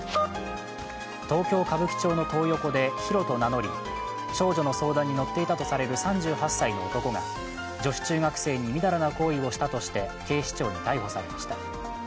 東京・歌舞伎町のトー横でヒロと名乗り少女の相談に乗っていたとされる３８歳の男が女子中学生にみだらな行為をしたとして警視庁に逮捕されました。